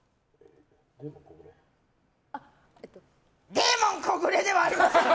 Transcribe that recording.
デーモン小暮ではありません。